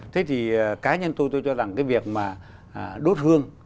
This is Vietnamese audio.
thế thì cá nhân tôi tôi cho rằng cái việc mà đốt hương